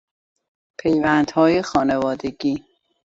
پیوندهای خانوادگی